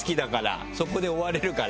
そこで終われるから。